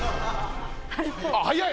早い！